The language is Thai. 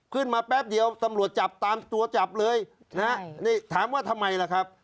แป๊บเดียวตำรวจจับตามตัวจับเลยนะฮะนี่ถามว่าทำไมล่ะครับ